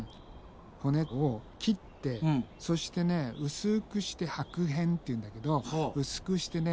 骨を切ってそしてね薄くして剥片っていうんだけど薄くしてね